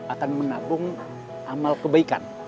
akan menabung amal kebaikan